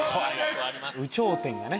「有頂天」がね